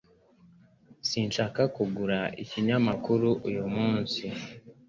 Sinshaka kugura ikinyamakuru uyu munsi